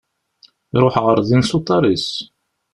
Iruḥ ɣer din s uḍar-is.